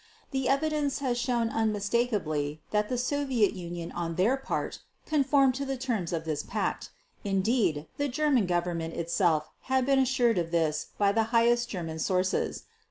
The evidence has shown unmistakably that the Soviet Union on their part conformed to the terms of this pact; indeed the German Government itself had been assured of this by the highest German sources.